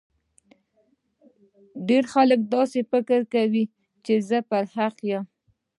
ډیر خلګ داسي فکر کوي چي زه پر حق یم